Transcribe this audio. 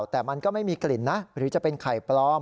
แต่มันก็ไม่มีกลิ่นนะหรือจะเป็นไข่ปลอม